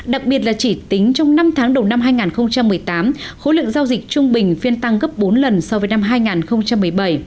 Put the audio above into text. đặc biệt là chỉ tính trong năm tháng đầu năm hai nghìn một mươi tám khối lượng giao dịch trung bình phiên tăng gấp bốn lần so với năm hai nghìn một mươi bảy